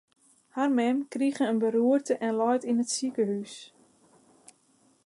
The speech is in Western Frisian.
Har mem krige in beroerte en leit yn it sikehús.